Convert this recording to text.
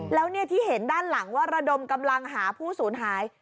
แล้วที่เห็นด้านหลังว่าระดมกำลังหาผู้สูญหาย